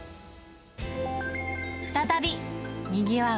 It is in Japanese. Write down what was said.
再びにぎわう